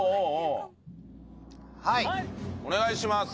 はいお願いします